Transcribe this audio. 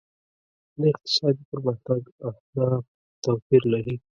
د اقتصادي پرمختګ اهداف توپیر لري.